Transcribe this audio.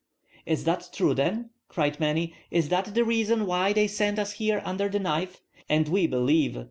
"Is that true then?" cried many. "Is that the reason why they sent us here under the knife? And we believe!